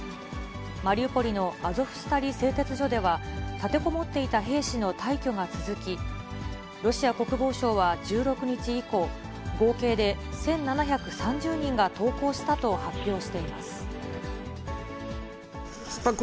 マリウポリのアゾフスタリ製鉄所では、立てこもっていた兵士の退去が続き、ロシア国防省は１６日以降、合計で１７３０人が投降したと発表しています。